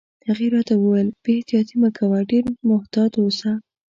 هغې راته وویل: بې احتیاطي مه کوه، ډېر محتاط اوسه.